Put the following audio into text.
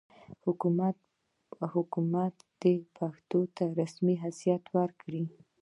حکومت دې پښتو ته رسمي حیثیت ورکړي.